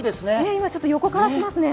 今、ちょっと横から来ますね